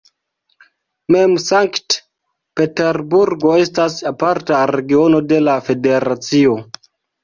Mem Sankt-Peterburgo estas aparta regiono de la federacio.